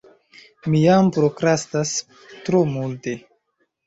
Mi jam prokrastas tro multe